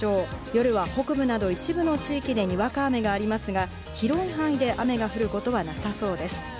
夜は北部など一部の地域で、にわか雨がありますが、広い範囲で雨が降ることはなさそうです。